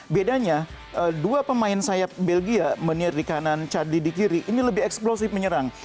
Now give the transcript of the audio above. bedanya dua pemain sayap belgia menir di kanan charli di kiri ini lebih eksplosif menyerang